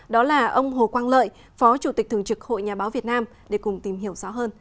đó là ông hồ quang lợi phó chủ tịch thường trực hội nhà báo việt nam để cùng tìm hiểu rõ hơn